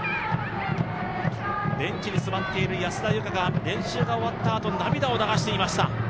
ベンチに座っている安田優花が練習が終わったあと、涙を流していました。